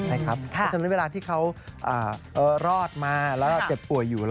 เพราะฉะนั้นเวลาที่เขารอดมาแล้วเจ็บป่วยอยู่